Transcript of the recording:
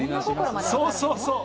そうそうそう。